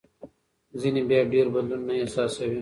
ځینې بیا ډېر بدلون نه احساسوي.